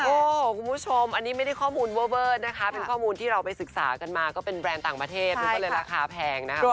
คุณผู้ชมอันนี้ไม่ได้ข้อมูลเวอร์นะคะเป็นข้อมูลที่เราไปศึกษากันมาก็เป็นแบรนด์ต่างประเทศมันก็เลยราคาแพงนะคะ